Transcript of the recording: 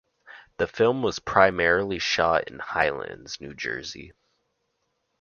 The film was primarily shot in Highlands, New Jersey.